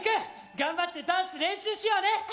頑張ってダンス練習しようね！